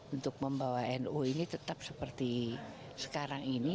untuk membawa nu ini tetap seperti sekarang ini